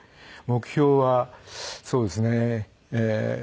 目標はそうですね。